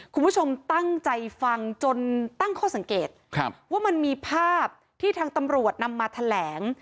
คุณผู้ชมตั้งใจฟังจนตั้งข้อสังเกตว่ามันมีภาพที่ทางตำรวจนำมาแถลง